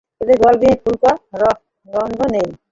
এদের গলবিলীয় ফুলকা রন্ধ্র নেই।